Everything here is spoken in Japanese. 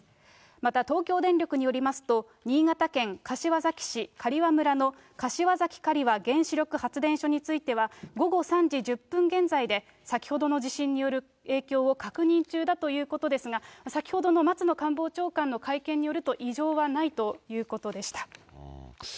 また東京電力によりますと、新潟県柏崎市刈羽村の柏崎刈羽原子力発電所については、午後３時１０分現在で、先ほどの地震による影響を確認中だということですが、先ほどの松野官房長官の会見によると異常はないということでした。